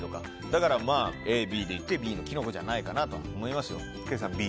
だから、まあＡ、ＢでいくとＢのキノコじゃないかなと思いますよ。